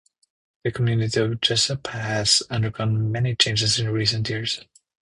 The community of Jesup has undergone many changes in recent years.